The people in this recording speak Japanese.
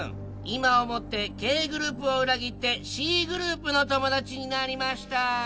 今をもってＫグループを裏切ってＣグループの友達になりました！